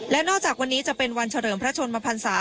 และนอกจากวันนี้จะเป็นวันเฉลิมพระชนมพันศา